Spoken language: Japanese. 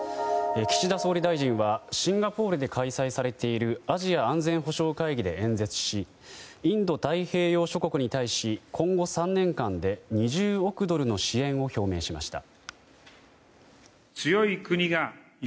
岸田総理大臣はシンガポールで開催されているアジア安全保障会議で演説しインド太平洋諸国に対し今後３年間で２０億ドルの支援を表明しました。